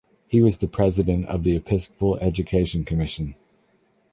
He was the President of the Episcopal Education Commission.